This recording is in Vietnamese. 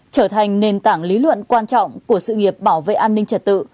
trở thành nền tảng lý luận quan trọng của sự nghiệp bảo vệ an ninh trật tự